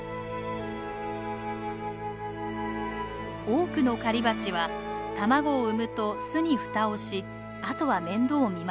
多くの狩りバチは卵を産むと巣に蓋をしあとは面倒をみません。